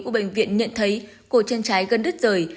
của bệnh viện nhận thấy cổ chân trái gân đất rời